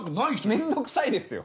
面倒くさいですよ！